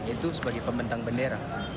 yaitu sebagai pembentang bendera